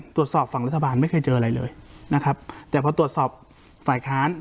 ตรวจสอบฝั่งรัฐบาลไม่เคยเจออะไรเลยนะครับแต่พอตรวจสอบฝ่ายค้าน